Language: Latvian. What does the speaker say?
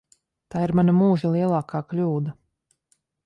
Tā ir mana mūža lielākā kļūda.